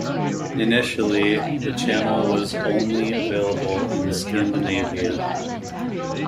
Initially, the channel was only available in Scandinavia.